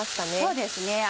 そうですね。